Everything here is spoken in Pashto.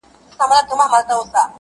ډېر پخوا په ولايت کي د تاتارو-